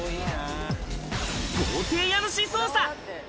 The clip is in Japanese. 豪邸家主捜査。